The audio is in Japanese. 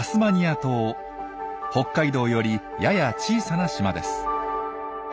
北海道よりやや小さな島です。